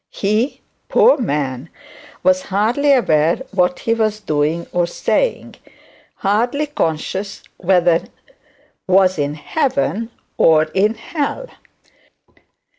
He, poor man, was hardly aware what he was doing or saying, hardly conscious whether he was in heaven or hell.